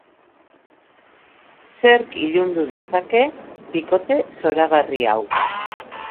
Zerk ilundu dezake bikote zoragarri hau?